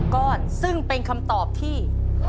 ก้อนซึ่งเป็นคำตอบที่